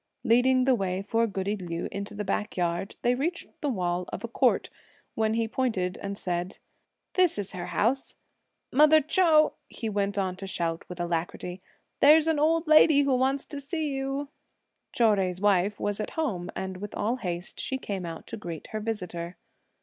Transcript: Leading the way for goody Liu into the backyard, they reached the wall of a court, when he pointed and said, "This is her house. Mother Chou!" he went on to shout with alacrity; "there's an old lady who wants to see you." Chou Jui's wife was at home, and with all haste she came out to greet her visitor.